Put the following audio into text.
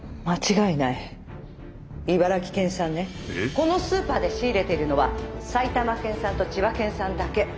このスーパーで仕入れているのは埼玉県産と千葉県産だけ。